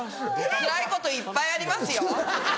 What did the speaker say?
つらいこといっぱいありますよ。